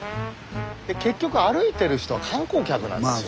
結局歩いてる人は観光客なんですよ。